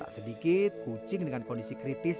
tak sedikit kucing dengan kondisi kritis